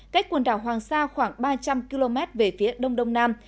cách quần đảo hoàng sa khoảng ba trăm linh km về phía đông đông nam